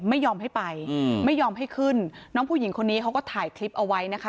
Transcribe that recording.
ไม่ยอมให้ไปอืมไม่ยอมให้ขึ้นน้องผู้หญิงคนนี้เขาก็ถ่ายคลิปเอาไว้นะคะ